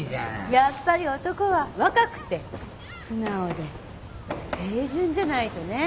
やっぱり男は若くて素直で清純じゃないとね。